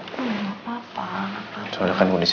soalnya kan kondisi lagi kayak bencana